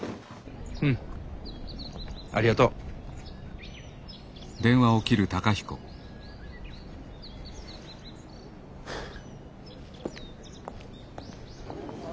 うんありがとう。はあ。